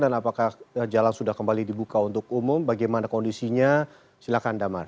dan apakah jalan sudah kembali dibuka untuk umum bagaimana kondisinya silahkan damar